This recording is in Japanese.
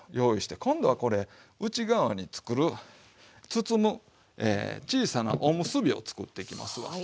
今度はこれ内側に作る包む小さなおむすびを作っていきますわ。